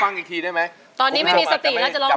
เพลงนี้อยู่ในอาราบัมชุดแรกของคุณแจ็คเลยนะครับ